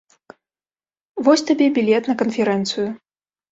Вось табе білет на канферэнцыю.